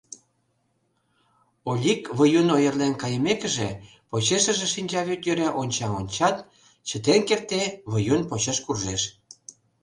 Олик, Выюн ойырлен кайымекыже, почешыже шинчавӱд йӧре онча-ончат, чытен кертде, Выюн почеш куржеш.